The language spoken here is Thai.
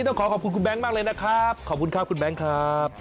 ต้องขอขอบคุณคุณแบงค์มากเลยนะครับขอบคุณครับคุณแบงค์ครับ